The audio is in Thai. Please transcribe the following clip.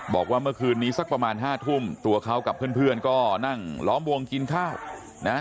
บอกว่าเมื่อคืนนี้สักประมาณห้าทุ่มตัวเขากับเพื่อนก็นั่งล้อมวงกินข้าวนะ